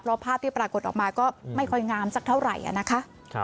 เพราะภาพที่ปรากฏออกมาก็ไม่ค่อยงามสักเท่าไหร่นะคะ